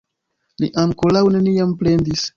Li ankoraŭ neniam plendis.